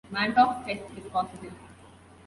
Mantoux test is positive.